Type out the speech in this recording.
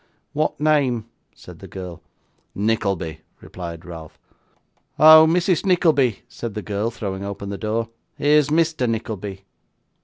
'What name?' said the girl. 'Nickleby,' replied Ralph. 'Oh! Mrs. Nickleby,' said the girl, throwing open the door, 'here's Mr Nickleby.